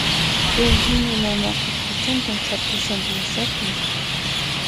Eugenia mamaqa p'achatan qhatushan plazapi